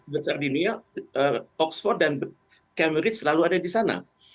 bersardinia oxford dan cambridge selalu ada di sana